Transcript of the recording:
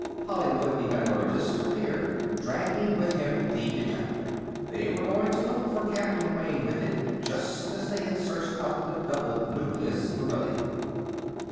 Hollingwood, the metallurgist, appeared, dragging with him the detector. They were going to look for Captain Wayne with it, just as they had searched out the double nucleus beryllium.